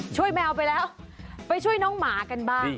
แมวไปแล้วไปช่วยน้องหมากันบ้าง